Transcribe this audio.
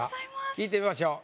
聞いてみましょう。